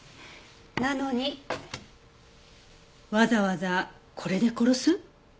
なのにわざわざこれで殺す？